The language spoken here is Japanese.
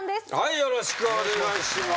よろしくお願いします。